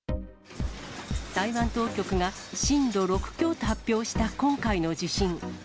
台湾当局が震度６強と発表した今回の地震。